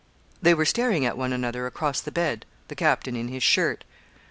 They were staring at one another across the bed, the captain in his shirt.